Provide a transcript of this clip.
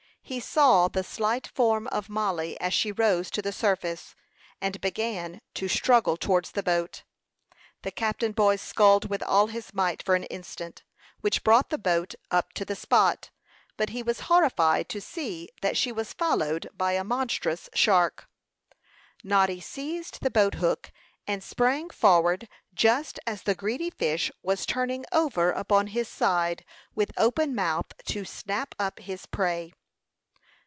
He saw the slight form of Mollie as she rose to the surface, and began to struggle towards the boat. The cabin boy sculled with all his might for an instant, which brought the boat up to the spot; but he was horrified to see that she was followed by a monstrous shark. Noddy seized the boat hook, and sprang forward just as the greedy fish was turning over upon his side, with open mouth, to snap up his prey.